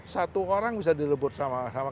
satu orang bisa dilebut sama sama